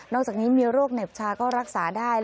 อกจากนี้มีโรคเหน็บชาก็รักษาได้